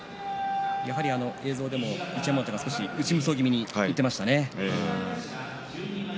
やはり映像でも一山本内無双気味にいっていましたね。